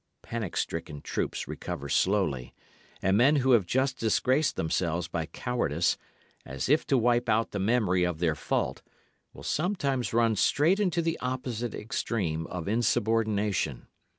Panic stricken troops recover slowly, and men who have just disgraced themselves by cowardice, as if to wipe out the memory of their fault, will sometimes run straight into the opposite extreme of insubordination.